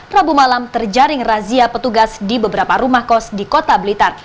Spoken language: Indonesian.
rabu malam terjaring razia petugas di beberapa rumah kos di kota blitar